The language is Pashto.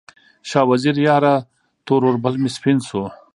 شاه وزیره یاره، تور اوربل مې سپین شو